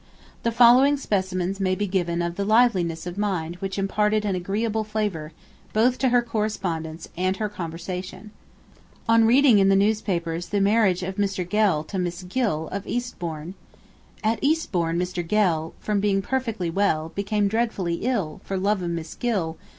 The following specimens may be given of the liveliness of mind which imparted an agreeable flavour both to her correspondence and her conversation: ON READING IN THE NEWSPAPERS THE MARRIAGE OF MR. GELL TO MISS GILL, OF EASTBOURNE. At Eastbourne Mr. Gell, From being perfectly well, Became dreadfully ill, For love of Miss Gill.